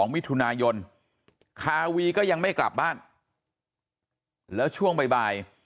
มิถุนายนคาวีก็ยังไม่กลับบ้านแล้วช่วงบ่าย